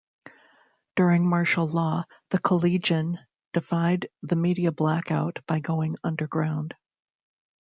During Martial Law, the Collegian defied the media blackout by going underground.